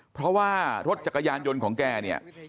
เพราะว่ารถจักรยานยนต์ของแกเนี่ย